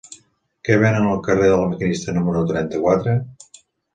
Què venen al carrer de La Maquinista número trenta-quatre?